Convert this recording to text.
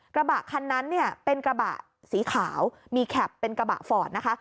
กระบะคันนั้นเนี่ยเป็นกระบะสีขาวมีแคปเป็นกระบะฟอร์ดนะคะ